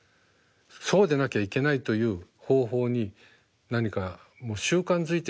そうでなきゃいけないという方法に何かもう習慣づいてしまってるんじゃないか。